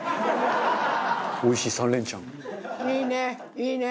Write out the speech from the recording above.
いいね！